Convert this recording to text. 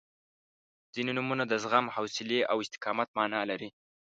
• ځینې نومونه د زغم، حوصلې او استقامت معنا لري.